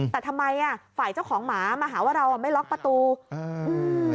แต่ทำไมฝ่ายเจ้าของหมามาหาว่าเราไม่ล็อกประตู